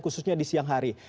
khususnya di siang hari